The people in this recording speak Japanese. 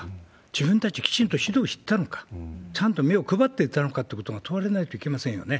自分たち、きちんと指導したのか、ちゃんと目を配っていたのかということを問われないといけませんよね。